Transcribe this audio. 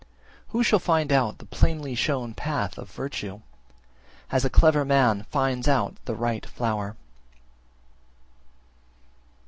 Who shall find out the plainly shown path of virtue, as a clever man finds out the (right) flower?